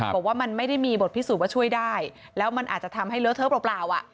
บอกว่ามันไม่ได้มีบทพิสูจน์ว่าช่วยได้แล้วมันอาจจะทำให้เลอะเทอะเปล่าอ่ะ